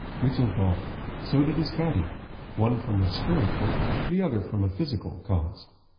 Mitchell gulped. So did his caddie. One from a spiritual, the other from a physical cause.